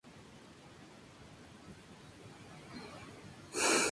La Asamblea Nacional guardó un minuto de silencio en su honor.